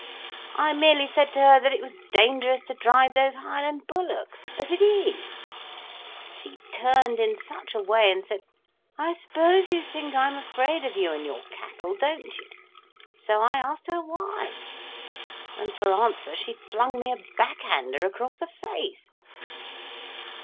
I merely said to her, that it was dangerous to drive those Highland bullocks—as it is. She turned in such a way, and said—'I suppose you think I'm afraid of you and your cattle, don't you?' So I asked her 'why,' and for answer she flung me a back hander across the face."